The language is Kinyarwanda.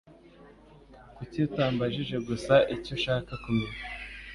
Kuki utambajije gusa icyo ushaka kumenya